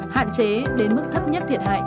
hạn chế đến mức thấp nhất thiệt hại